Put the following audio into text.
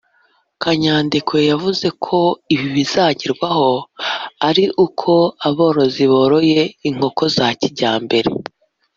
Kanyandekwe yavuze ko ibi bizagerwaho ari uko aborozi boroye inkoko za kijyambere